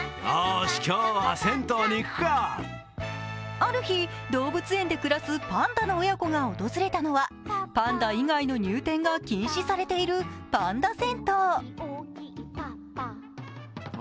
ある日、動物園で暮らすパンダの親子が訪れたのはパンダ以外の入店が禁止されているパンダ銭湯。